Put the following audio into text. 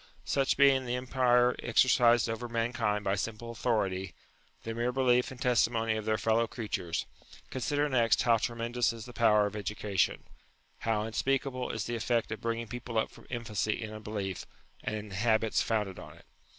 Such being the empire exercised over mankind by simple authority, the mere belief and testimony of their fellow creatures ; consider next how tremendous is the power of education; how unspeakable is the effect of bringing people up from infancy in a belief, and in habits founded on it.